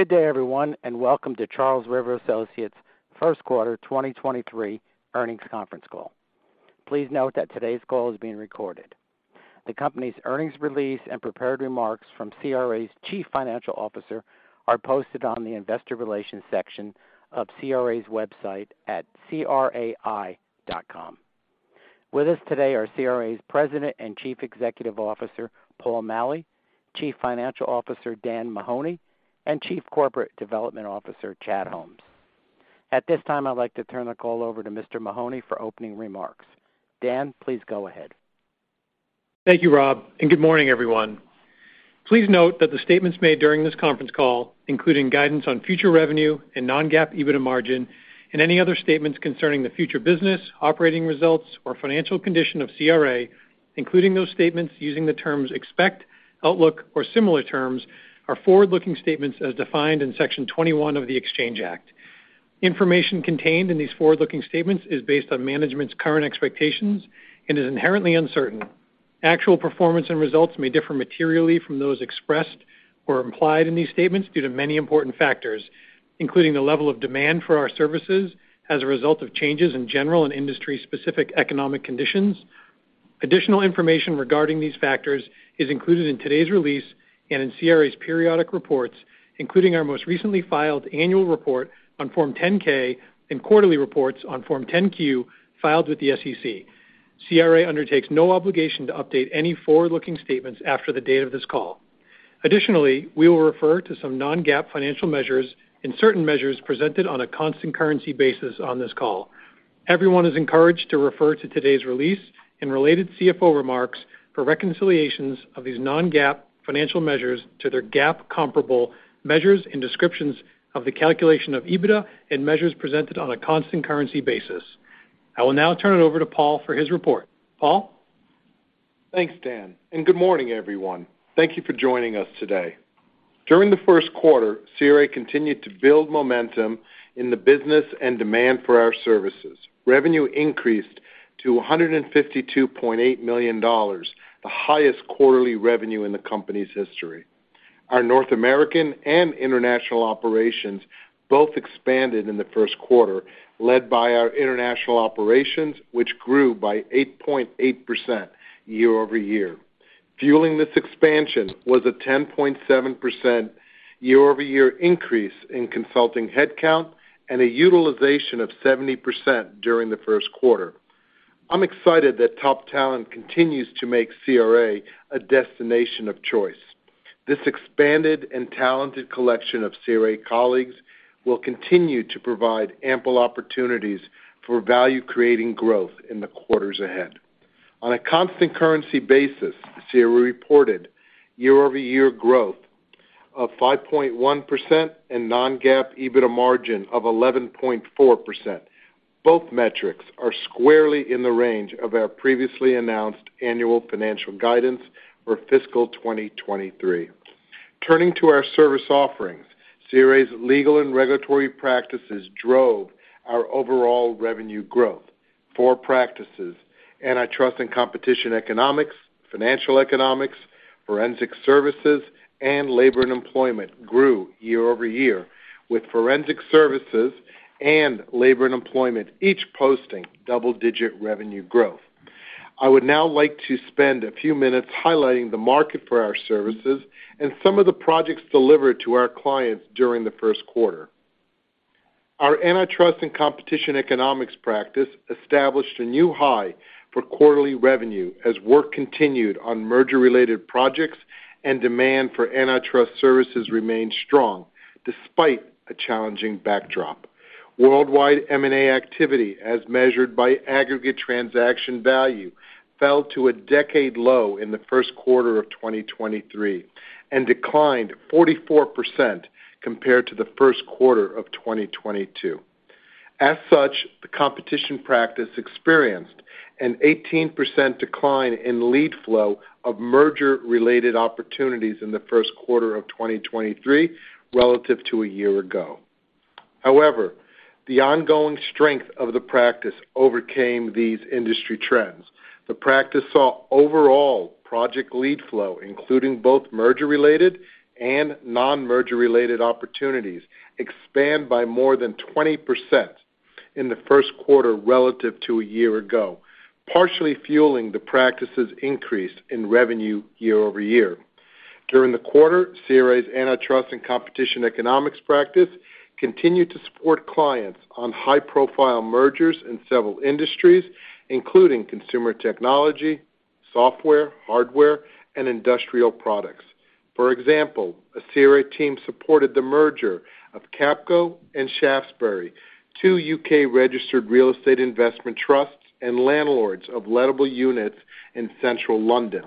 Good day, everyone, welcome to Charles River Associates' Q1 2023 earnings conference call. Please note that today's call is being recorded. The company's earnings release and prepared remarks from CRA's Chief Financial Officer are posted on the investor relations section of CRA's website at crai.com. With us today are CRA's President and Chief Executive Officer, Paul Maleh, Chief Financial Officer, Daniel Mahoney, and Chief Corporate Development Officer, Chad Holmes. At this time, I'd like to turn the call over to Mr. Mahoney for opening remarks. Dan, please go ahead. Thank you, Rob, and good morning, everyone. Please note that the statements made during this conference call, including guidance on future revenue and non-GAAP EBITDA margin and any other statements concerning the future business, operating results or financial condition of CRA, including those statements using the terms expect, outlook or similar terms, are forward-looking statements as defined in Section 21E of the Exchange Act. Information contained in these forward-looking statements is based on management's current expectations and is inherently uncertain. Actual performance and results may differ materially from those expressed or implied in these statements due to many important factors, including the level of demand for our services as a result of changes in general and industry-specific economic conditions. Additional information regarding these factors is included in today's release and in CRA's periodic reports, including our most recently filed annual report on Form 10-K and quarterly reports on Form 10-Q filed with the SEC. CRA undertakes no obligation to update any forward-looking statements after the date of this call. Additionally, we will refer to some non-GAAP financial measures and certain measures presented on a constant currency basis on this call. Everyone is encouraged to refer to today's release and related CFO remarks for reconciliations of these non-GAAP financial measures to their GAAP comparable measures and descriptions of the calculation of EBITDA and measures presented on a constant currency basis. I will now turn it over to Paul for his report. Paul? Thanks, Dan, good morning, everyone. Thank you for joining us today. During the Q1, CRA continued to build momentum in the business and demand for our services. Revenue increased to $152.8 million, the highest quarterly revenue in the company's history. Our North American and international operations both expanded in the Q1, led by our international operations, which grew by 8.8% year-over-year. Fueling this expansion was a 10.7% year-over-year increase in consulting headcount and a utilization of 70% during the Q1. I'm excited that top talent continues to make CRA a destination of choice. This expanded and talented collection of CRA colleagues will continue to provide ample opportunities for value creating growth in the quarters ahead. On a constant currency basis, CRA reported year-over-year growth of 5.1% and non-GAAP EBITDA margin of 11.4%. Both metrics are squarely in the range of our previously announced annual financial guidance for fiscal 2023. Turning to our service offerings, CRA's legal and regulatory practices drove our overall revenue growth. Four practices, Antitrust & Competition Economics, Financial Economics, Forensic Services, and Labor and Employment grew year-over-year, with Forensic Services and Labor and Employment each posting double-digit revenue growth. I would now like to spend a few minutes highlighting the market for our services and some of the projects delivered to our clients during the Q1. Our Antitrust & Competition Economics practice established a new high for quarterly revenue as work continued on merger-related projects and demand for antitrust services remained strong despite a challenging backdrop. Worldwide M&A activity, as measured by aggregate transaction value, fell to a decade low in the Q1 of 2023 and declined 44% compared to the Q1 of 2022. As such, the competition practice experienced an 18% decline in lead flow of merger-related opportunities in the Q1 of 2023 relative to a year ago. However, the ongoing strength of the practice overcame these industry trends. The practice saw overall project lead flow, including both merger-related and non-merger-related opportunities, expand by more than 20% in the Q1 relative to a year ago, partially fueling the practice's increase in revenue year-over-year. During the quarter, CRA's Antitrust & Competition Economics practice continued to support clients on high-profile mergers in several industries, including consumer technology, software, hardware, and industrial products. For example, a CRA team supported the merger of Capco and Shaftesbury, two U.K.-registered real estate investment trusts and landlords of lettable units in central London.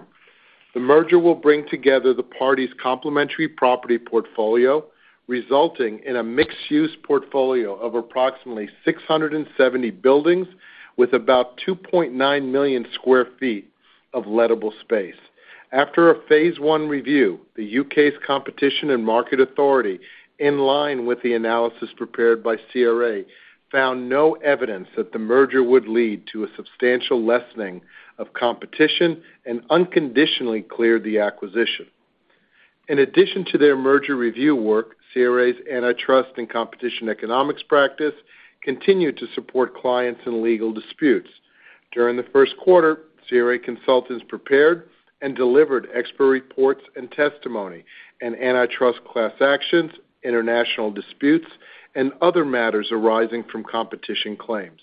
The merger will bring together the parties' complementary property portfolio, resulting in a mixed-use portfolio of approximately 670 buildings with about 2.9 million sq ft of lettable space. After a phase I review, the U.K.'s Competition and Markets Authority, in line with the analysis prepared by CRA, found no evidence that the merger would lead to a substantial lessening of competition and unconditionally cleared the acquisition. In addition to their merger review work, CRA's Antitrust & Competition Economics practice continued to support clients in legal disputes. During the Q1, CRA consultants prepared and delivered expert reports and testimony in antitrust class actions, international disputes, and other matters arising from competition claims.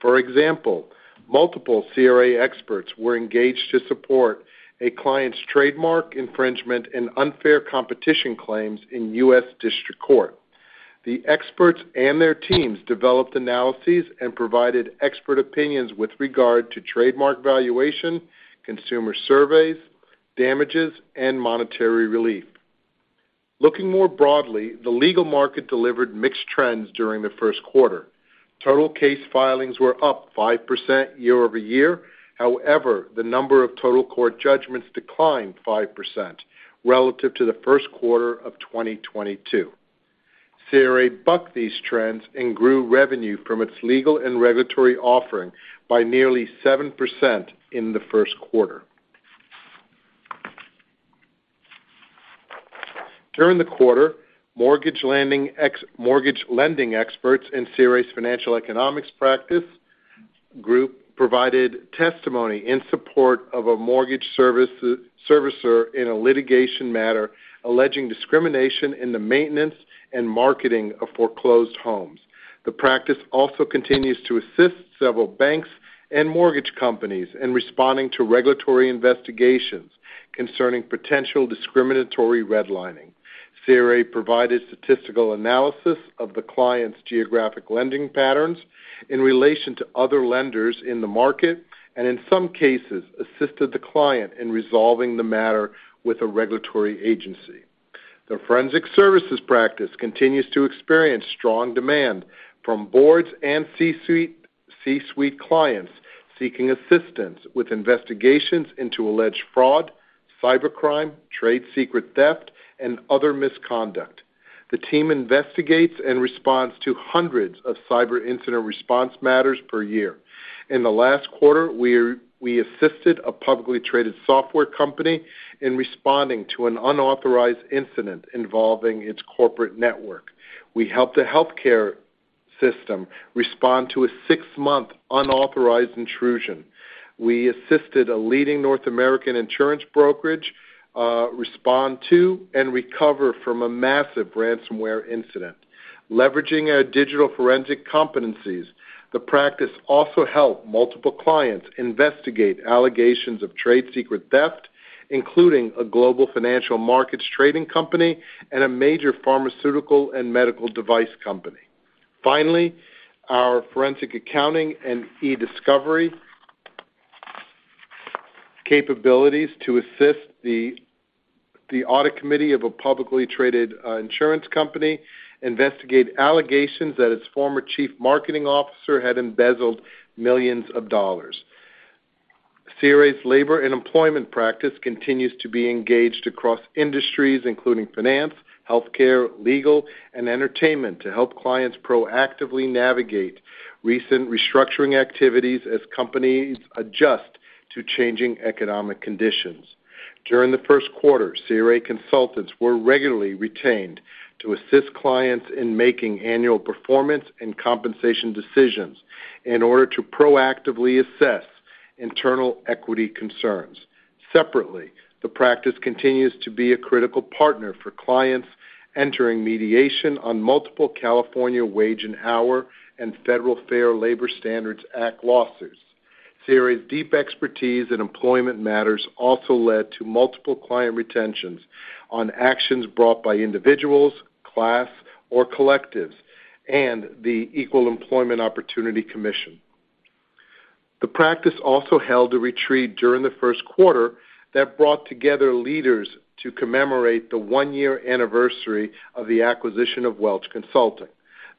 For example, multiple CRA experts were engaged to support a client's trademark infringement and unfair competition claims in U.S. District Court. The experts and their teams developed analyses and provided expert opinions with regard to trademark valuation, consumer surveys, damages, and monetary relief. Looking more broadly, the legal market delivered mixed trends during the Q1. Total case filings were up 5% year-over-year. However, the number of total court judgments declined 5% relative to the Q1 of 2022. CRA bucked these trends and grew revenue from its legal and regulatory offering by nearly 7% in the Q1. During the quarter, mortgage lending experts in CRA's Financial Economics practice group provided testimony in support of a mortgage servicer in a litigation matter alleging discrimination in the maintenance and marketing of foreclosed homes. The practice also continues to assist several banks and mortgage companies in responding to regulatory investigations concerning potential discriminatory redlining. CRA provided statistical analysis of the client's geographic lending patterns in relation to other lenders in the market, and in some cases, assisted the client in resolving the matter with a regulatory agency. The Forensic Services practice continues to experience strong demand from boards and C-suite clients seeking assistance with investigations into alleged fraud, cybercrime, trade secret theft, and other misconduct. The team investigates and responds to hundreds of cyber incident response matters per year. In the last quarter, we assisted a publicly traded software company in responding to an unauthorized incident involving its corporate network. We helped a healthcare system respond to a six-month unauthorized intrusion. We assisted a leading North American insurance brokerage respond to and recover from a massive ransomware incident. Leveraging our digital forensic competencies, the practice also helped multiple clients investigate allegations of trade secret theft, including a global financial markets trading company and a major pharmaceutical and medical device company. Finally, our forensic accounting and e-discovery capabilities to assist the audit committee of a publicly traded insurance company investigate allegations that its former Chief Marketing Officer had embezzled millions of dollars. CRA's Labor and Employment practice continues to be engaged across industries including finance, healthcare, legal, and entertainment to help clients proactively navigate recent restructuring activities as companies adjust to changing economic conditions. During the Q1, CRA consultants were regularly retained to assist clients in making annual performance and compensation decisions in order to proactively assess internal equity concerns. Separately, the practice continues to be a critical partner for clients entering mediation on multiple California wage and hour and Federal Fair Labor Standards Act lawsuits. CRA's deep expertise in employment matters also led to multiple client retentions on actions brought by individuals, class, or collectives and the Equal Employment Opportunity Commission. The practice also held a retreat during the Q1 that brought together leaders to commemorate the one-year anniversary of the acquisition of Welch Consulting.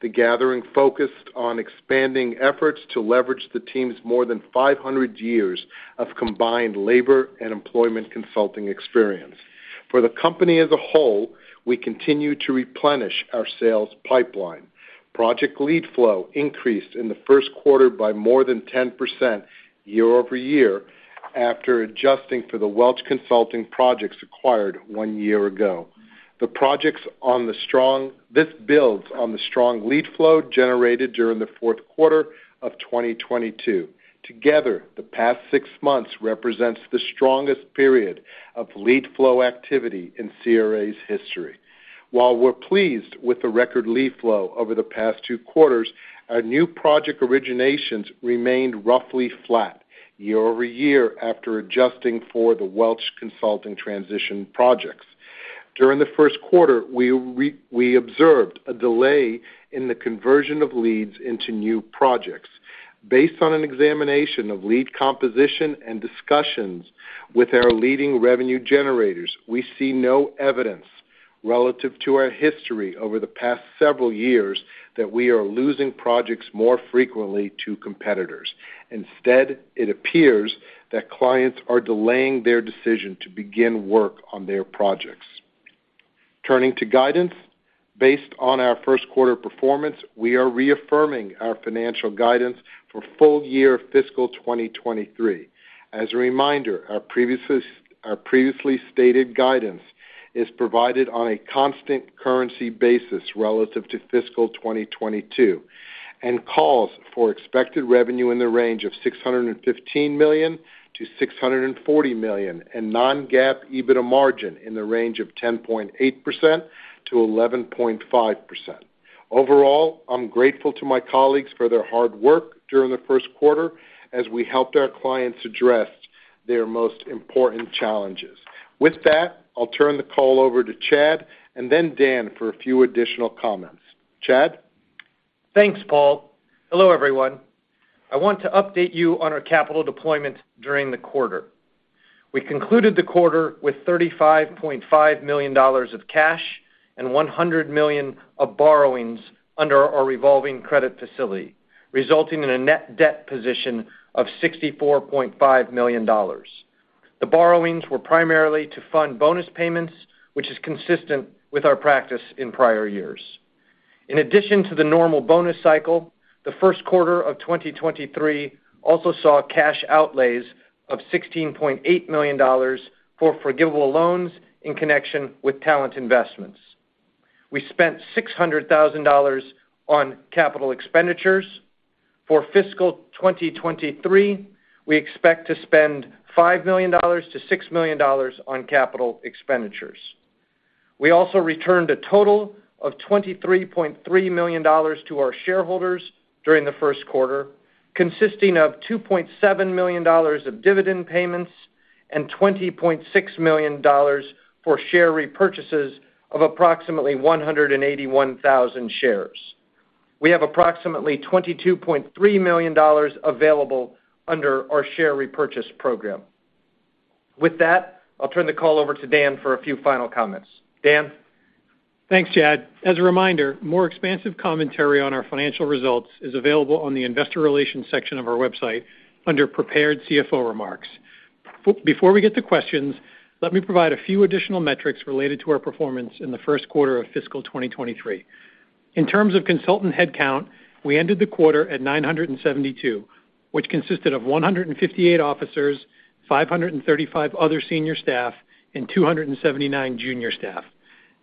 The gathering focused on expanding efforts to leverage the team's more than 500 years of combined Labor and Employment consulting experience. For the company as a whole, we continue to replenish our sales pipeline. Project lead flow increased in the Q1 by more than 10% year-over-year after adjusting for the Welch Consulting projects acquired one year ago. This builds on the strong lead flow generated during the Q4 of 2022. Together, the past 6 months represents the strongest period of lead flow activity in CRA's history. While we are pleased with the record lead flow over the past Q2, our new project originations remained roughly flat year-over-year after adjusting for the Welch Consulting transition projects. During the Q1, we observed a delay in the conversion of leads into new projects. Based on an examination of lead composition and discussions with our leading revenue generators, we see no evidence relative to our history over the past several years that we are losing projects more frequently to competitors. Instead, it appears that clients are delaying their decision to begin work on their projects. Turning to guidance. Based on our Q1 performance, we are reaffirming our financial guidance for full year fiscal 2023. As a reminder, our previously stated guidance is provided on a constant currency basis relative to fiscal 2022, and calls for expected revenue in the range of $615 million-$640 million, and non-GAAP EBITDA margin in the range of 10.8%-11.5%. Overall, I'm grateful to my colleagues for their hard work during the Q1 as we helped our clients address their most important challenges. With that, I'll turn the call over to Chad and then Dan for a few additional comments. Chad? Thanks, Paul. Hello, everyone. I want to update you on our capital deployment during the quarter. We concluded the quarter with $35.5 million of cash and $100 million of borrowings under our revolving credit facility, resulting in a net debt position of $64.5 million. The borrowings were primarily to fund bonus payments, which is consistent with our practice in prior years. In addition to the normal bonus cycle, the Q1 of 2023 also saw cash outlays of $16.8 million for forgivable loans in connection with talent investments. We spent $600,000 on capital expenditures. For fiscal 2023, we expect to spend $5 million-$6 million on capital expenditures. We also returned a total of $23.3 million to our shareholders during the Q1, consisting of $2.7 million of dividend payments and $20.6 million for share repurchases of approximately 181,000 shares. We have approximately $22.3 million available under our share repurchase program. With that, I'll turn the call over to Dan for a few final comments. Dan? Thanks, Chad. As a reminder, more expansive commentary on our financial results is available on the investor relations section of our website under Prepared CFO Remarks. Before we get to questions, let me provide a few additional metrics related to our performance in the Q1 of fiscal 2023. In terms of consultant headcount, we ended the quarter at 972, which consisted of 158 officers, 535 other senior staff, and 279 junior staff.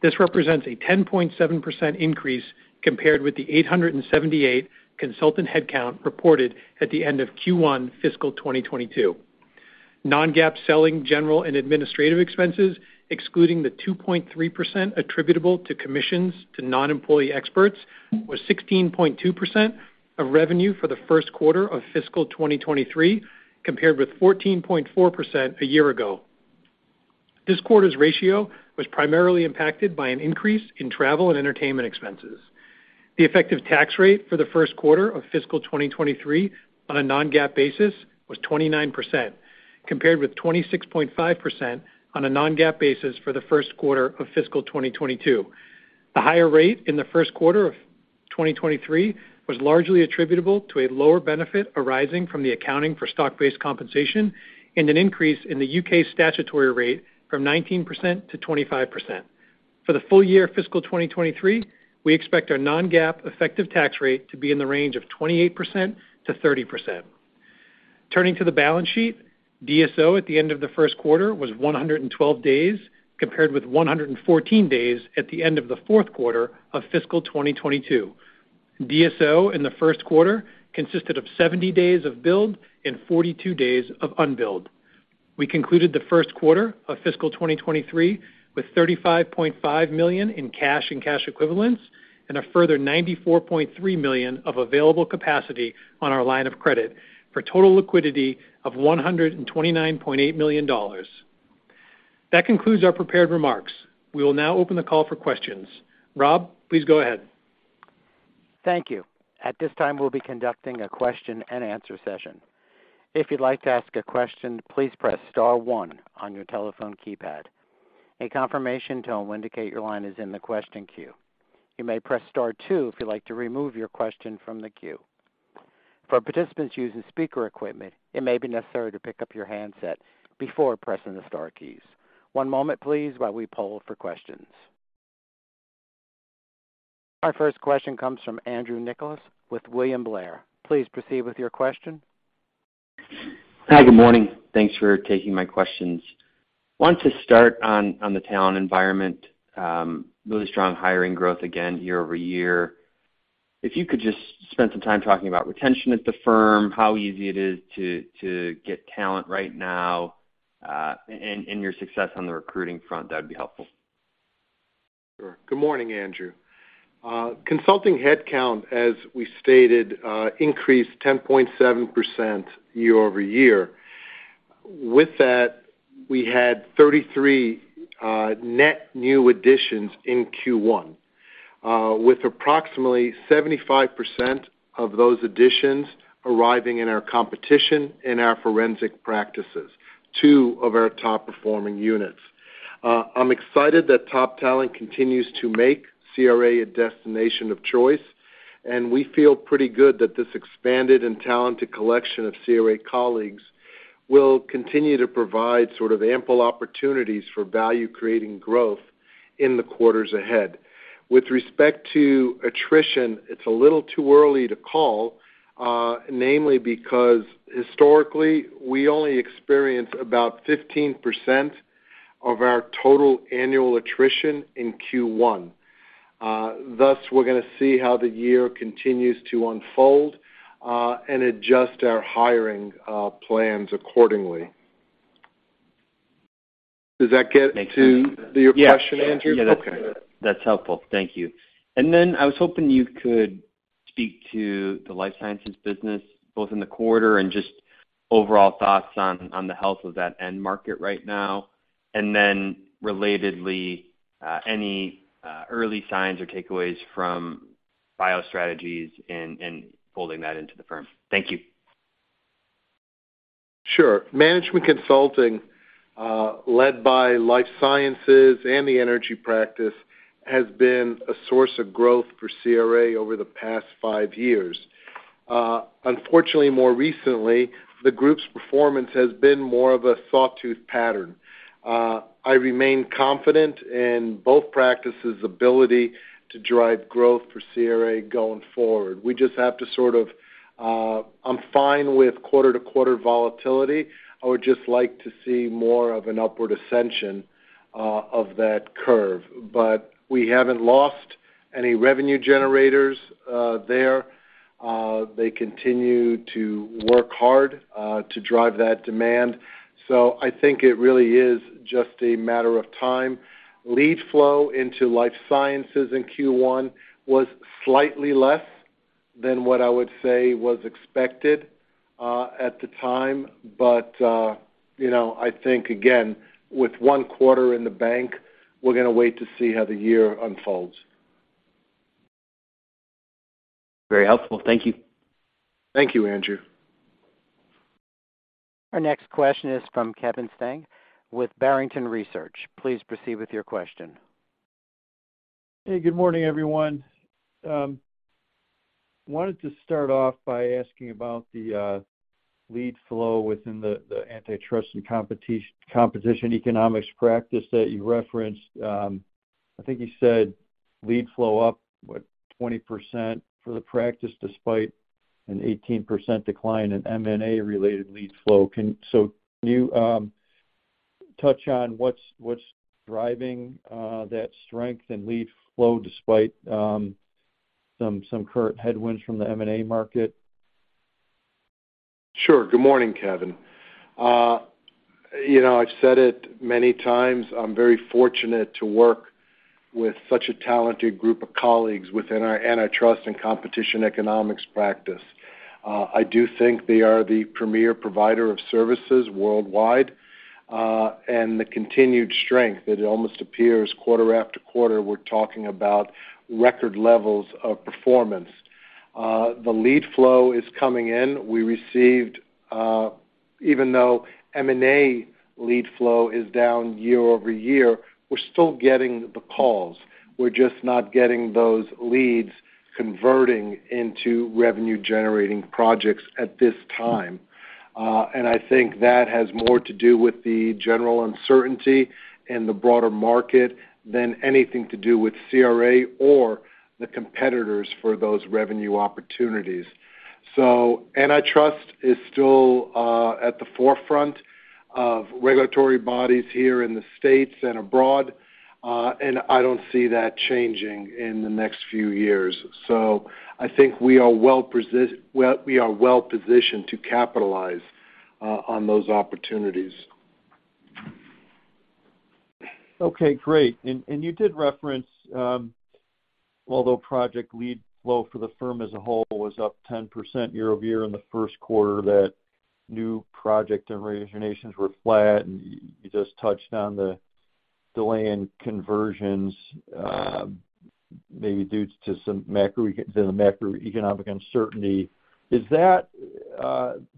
This represents a 10.7% increase compared with the 878 consultant headcount reported at the end of Q1 fiscal 2022. Non-GAAP selling general and administrative expenses, excluding the 2.3% attributable to commissions to non-employee experts, was 16.2% of revenue for the Q1 of fiscal 2023, compared with 14.4% a year ago. This quarter's ratio was primarily impacted by an increase in travel and entertainment expenses. The effective tax rate for the Q1 of fiscal 2023 on a non-GAAP basis was 29%, compared with 26.5% on a non-GAAP basis for the Q1 of fiscal 2022. The higher rate in the Q1 of 2023 was largely attributable to a lower benefit arising from the accounting for stock-based compensation and an increase in the UK statutory rate from 19% to 25%. For the full year fiscal 2023, we expect our non-GAAP effective tax rate to be in the range of 28%-30%. Turning to the balance sheet, DSO at the end of the Q1 was 112 days, compared with 114 days at the end of the Q4 of fiscal 2022. DSO in the Q1 consisted of 70 days of billed and 42 days of unbilled. We concluded the Q1 of fiscal 2023 with $35.5 million in cash and cash equivalents and a further $94.3 million of available capacity on our line of credit for total liquidity of $129.8 million. That concludes our prepared remarks. We will now open the call for questions. Rob, please go ahead. Thank you. At this time, we'll be conducting a question and answer session. If you'd like to ask a question, please press star one on your telephone keypad. A confirmation tone will indicate your line is in the question queue. You may press star two if you'd like to remove your question from the queue. For participants using speaker equipment, it may be necessary to pick up your handset before pressing the star keys. One moment, please, while we poll for questions. Our first question comes from Andrew Nicholas with William Blair. Please proceed with your question. Hi, good morning. Thanks for taking my questions. Want to start on the talent environment, really strong hiring growth again year-over-year. If you could just spend some time talking about retention at the firm, how easy it is to get talent right now, and your success on the recruiting front, that'd be helpful? Sure. Good morning, Andrew. Consulting headcount, as we stated, increased 10.7% year-over-year. With that, we had 33 net new additions in Q1, with approximately 75% of those additions arriving in our competition and our forensic practices, two of our top-performing units. I'm excited that top talent continues to make CRA a destination of choice. We feel pretty good that this expanded and talented collection of CRA colleagues will continue to provide sort of ample opportunities for value-creating growth in the quarters ahead. With respect to attrition, it's a little too early to call, namely because historically, we only experience about 15% of our total annual attrition in Q1. Thus, we're gonna see how the year continues to unfold, and adjust our hiring plans accordingly. Does that get to your question, Andrew? Yeah. That's helpful. Thank you. I was hoping you could speak to the life sciences business, both in the quarter and just overall thoughts on the health of that end market right now. Relatedly, any early signs or takeaways from BioStrategies in folding that into the firm. Thank you. Sure. Management consulting, led by Life Sciences and the Energy practice has been a source of growth for CRA over the past five years. Unfortunately, more recently, the group's performance has been more of a sawtooth pattern. I remain confident in both practices' ability to drive growth for CRA going forward. We just have to sort of... I'm fine with quarter-to-quarter volatility. I would just like to see more of an upward ascension of that curve. We haven't lost any revenue generators there. They continue to work hard to drive that demand. I think it really is just a matter of time. Lead flow into Life Sciences in Q1 was slightly less than what I would say was expected at the time. You know, I think, again, with one quarter in the bank, we're gonna wait to see how the year unfolds. Very helpful. Thank you. Thank you, Andrew. Our next question is from Kevin Steinke with Barrington Research. Please proceed with your question. Good morning, everyone. Wanted to start off by asking about the lead flow within the Antitrust & Competition Economics practice that you referenced. I think you said lead flow up, what, 20% for the practice despite an 18% decline in M&A-related lead flow. Can you touch on what's driving that strength and lead flow despite some current headwinds from the M&A market? Sure. Good morning, Kevin. You know, I've said it many times, I'm very fortunate to work with such a talented group of colleagues within our Antitrust & Competition Economics practice. I do think they are the premier provider of services worldwide, and the continued strength that it almost appears quarter after quarter, we're talking about record levels of performance. The lead flow is coming in. We received, even though M&A lead flow is down year-over-year, we're still getting the calls. We're just not getting those leads converting into revenue-generating projects at this time. I think that has more to do with the general uncertainty in the broader market than anything to do with CRA or the competitors for those revenue opportunities. Antitrust is still at the forefront of regulatory bodies here in the States and abroad, and I don't see that changing in the next few years. I think we are well-positioned to capitalize on those opportunities. Okay, great. And you did reference, although project lead flow for the firm as a whole was up 10% year over year in the Q1, that new project generations were flat, and you just touched on the delay in conversions, maybe due to some macroeconomic uncertainty. Is that,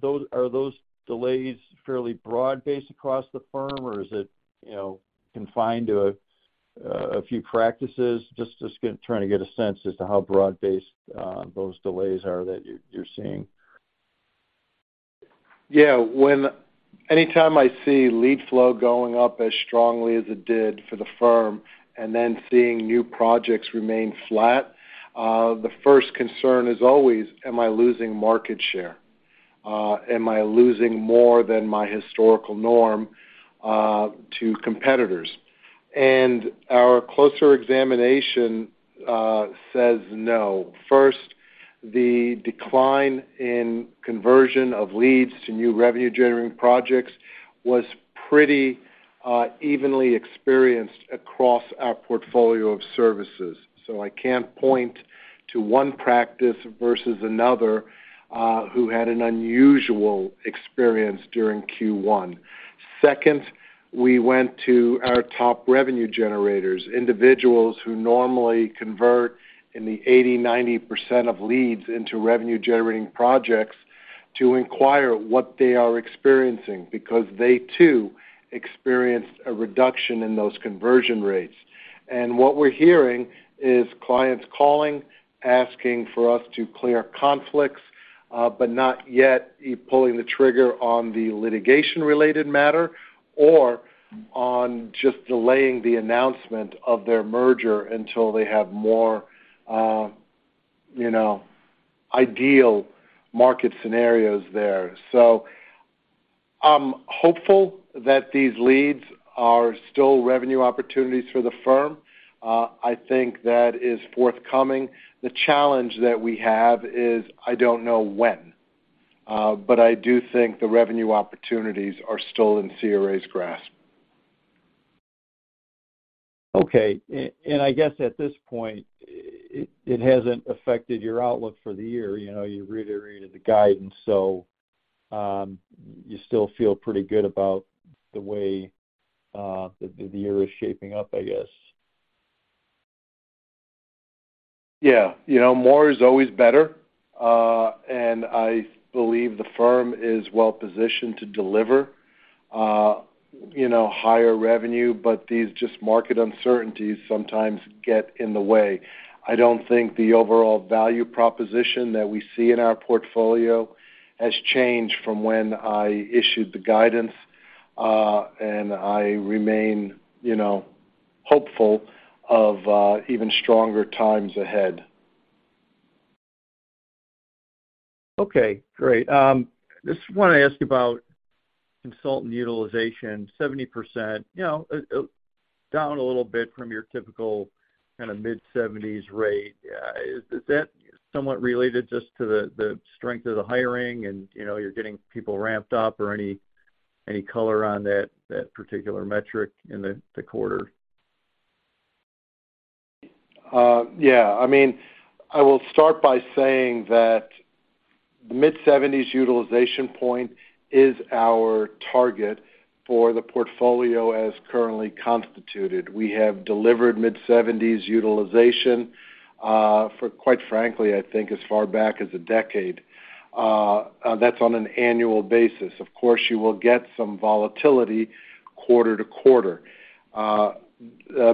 those are those delays fairly broad-based across the firm, or is it, you know, confined to a few practices? Trying to get a sense as to how broad-based those delays are that you're seeing. Yeah. Anytime I see lead flow going up as strongly as it did for the firm and then seeing new projects remain flat, the first concern is always, am I losing market share? Am I losing more than my historical norm to competitors? Our closer examination says no. First, the decline in conversion of leads to new revenue-generating projects was pretty evenly experienced across our portfolio of services. I can't point to one practice versus another who had an unusual experience during Q1. Second, we went to our top revenue generators, individuals who normally convert in the 80%, 90% of leads into revenue-generating projects. To inquire what they are experiencing because they too experienced a reduction in those conversion rates. What we're hearing is clients calling, asking for us to clear conflicts, but not yet pulling the trigger on the litigation-related matter or on just delaying the announcement of their merger until they have more, you know, ideal market scenarios there. I'm hopeful that these leads are still revenue opportunities for the firm. I think that is forthcoming. The challenge that we have is I don't know when, but I do think the revenue opportunities are still in CRA's grasp. Okay. I guess at this point, it hasn't affected your outlook for the year. You know, you reiterated the guidance, you still feel pretty good about the way the year is shaping up, I guess. Yeah. You know, more is always better, and I believe the firm is well-positioned to deliver, you know, higher revenue. These just market uncertainties sometimes get in the way. I don't think the overall value proposition that we see in our portfolio has changed from when I issued the guidance, and I remain, you know, hopeful of even stronger times ahead. Okay, great. Just wanna ask you about consultant utilization, 70%, you know, down a little bit from your typical kinda mid-70s rate. Is that somewhat related just to the strength of the hiring and, you know, you're getting people ramped up or any color on that particular metric in the quarter? Yeah, I mean, I will start by saying that mid-70s utilization point is our target for the portfolio as currently constituted. We have delivered mid-70s utilization for quite frankly, I think, as far back as a decade. That's on an annual basis. Of course, you will get some volatility quarter-to-quarter. The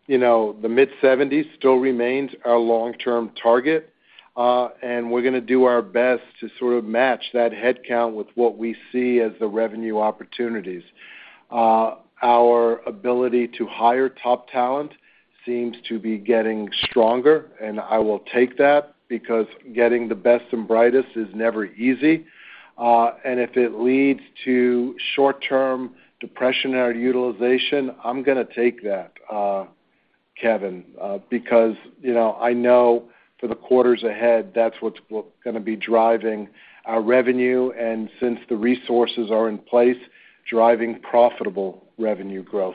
mid-70s still remains our long-term target, and we're gonna do our best to sort of match that headcount with what we see as the revenue opportunities. Our ability to hire top talent seems to be getting stronger, and I will take that because getting the best and brightest is never easy. If it leads to short-term depression in our utilization, I'm gonna take that, Kevin, because, you know, I know for the quarters ahead, that's what's gonna be driving our revenue, and since the resources are in place, driving profitable revenue growth.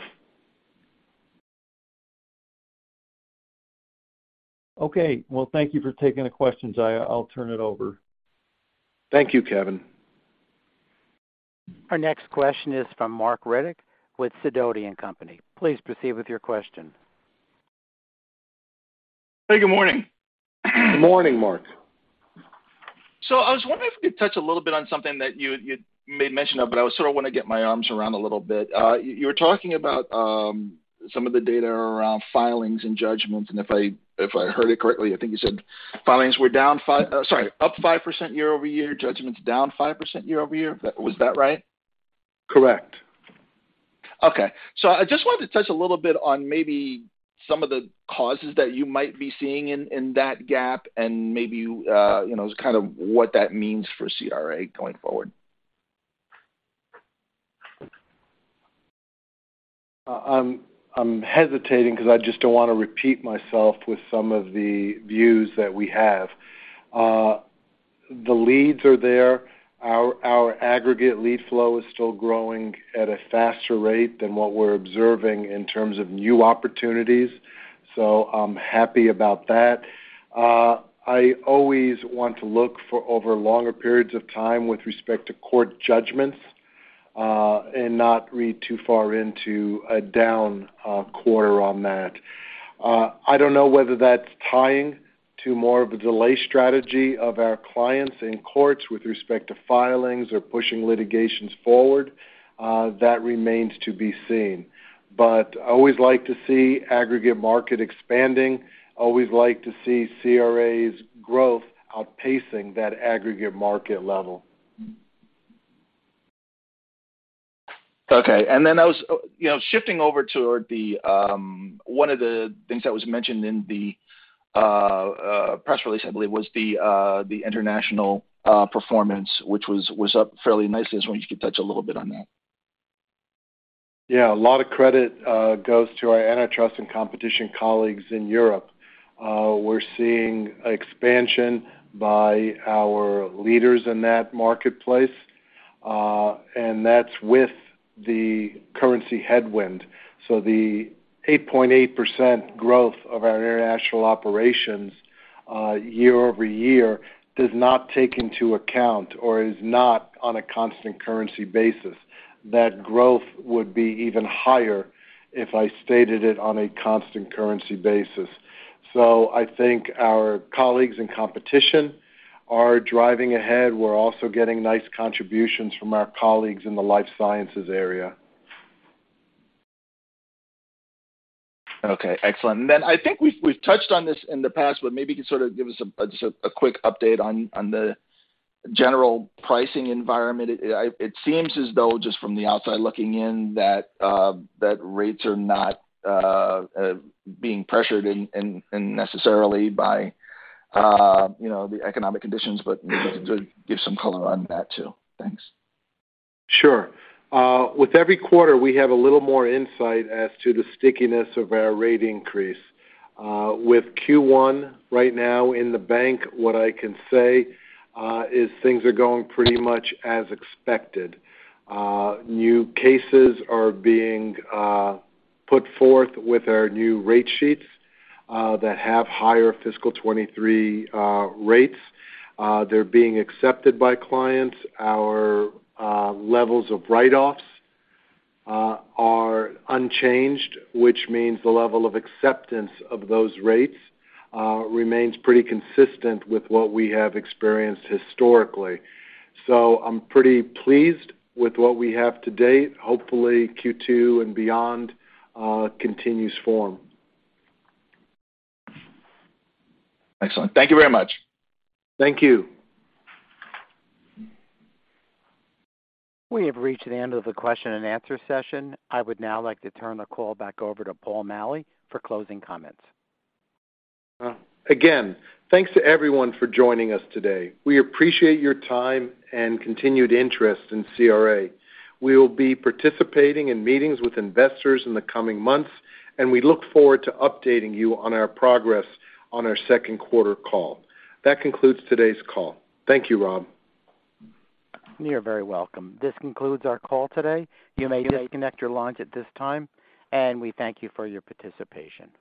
Okay. Well, thank you for taking the questions. I'll turn it over. Thank you, Kevin. Our next question is from Marc Riddick with Sidoti & Company. Please proceed with your question. Hey, good morning. Good morning, Marc. I was wondering if you could touch a little bit on something that you made mention of, but I sort of wanna get my arms around a little bit. You were talking about some of the data around filings and judgments, and if I heard it correctly, I think you said filings were down 5... sorry, up 5% year-over-year, judgments down 5% year-over-year. Was that right? Correct. I just wanted to touch a little bit on maybe some of the causes that you might be seeing in that gap and maybe, you know, just kind of what that means for CRA going forward. I'm hesitating 'cause I just don't wanna repeat myself with some of the views that we have. The leads are there. Our aggregate lead flow is still growing at a faster rate than what we're observing in terms of new opportunities, so I'm happy about that. I always want to look for over longer periods of time with respect to court judgments, and not read too far into a down quarter on that. I don't know whether that's tying to more of a delay strategy of our clients in courts with respect to filings or pushing litigations forward. That remains to be seen. I always like to see aggregate market expanding. Always like to see CRA's growth outpacing that aggregate market level. Okay. You know, shifting over toward the one of the things that was mentioned in the press release, I believe, was the international performance, which was up fairly nicely. I was wondering if you could touch a little bit on that. A lot of credit goes to our Antitrust and Competition colleagues in Europe. We're seeing expansion by our leaders in that marketplace, and that's with the currency headwind. The 8.8% growth of our international operations year-over-year does not take into account or is not on a constant currency basis. That growth would be even higher if I stated it on a constant currency basis. I think our colleagues in competition are driving ahead. We're also getting nice contributions from our colleagues in the life sciences area. Okay, excellent. I think we've touched on this in the past, but maybe you can sort of give us a quick update on the general pricing environment. It seems as though, just from the outside looking in that rates are not being pressured unnecessarily by, you know, the economic conditions. If you could give some color on that too. Thanks. Sure. With every quarter, we have a little more insight as to the stickiness of our rate increase. With Q1 right now in the bank, what I can say is things are going pretty much as expected. New cases are being put forth with our new rate sheets that have higher fiscal 2023 rates. They're being accepted by clients. Our levels of write-offs are unchanged, which means the level of acceptance of those rates remains pretty consistent with what we have experienced historically. I'm pretty pleased with what we have to date. Hopefully, Q2 and beyond continues form. Excellent. Thank you very much. Thank you. We have reached the end of the question and answer session. I would now like to turn the call back over to Paul Maleh for closing comments. Again, thanks to everyone for joining us today. We appreciate your time and continued interest in CRA. We will be participating in meetings with investors in the coming months, and we look forward to updating you on our progress on our Q2 call. That concludes today's call. Thank you, Rob. You're very welcome. This concludes our call today. You may disconnect your lines at this time, and we thank you for your participation.